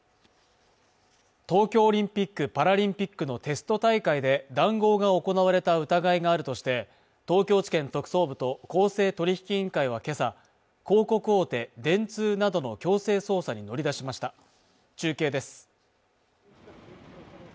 東京オリンピック・パラリンピックのテスト大会で談合が行われた疑いがあるとして東京地検特捜部と公正取引委員会はけさ広告大手・電通などの強制捜査に乗り出しました中継です